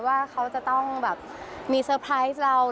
ว่าเขาจะต้องแบบมีเซอร์ไพรส์เรา